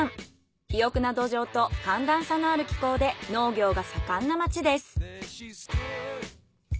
肥沃な土壌と寒暖差のある気候で農業が盛んな町です。